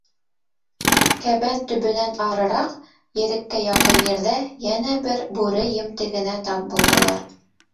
Кәбән төбөнән арыраҡ, ереккә яҡын ерҙә, йәнә бер бүре емтегенә тап булдылар.